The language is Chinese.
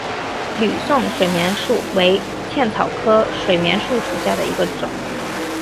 吕宋水锦树为茜草科水锦树属下的一个种。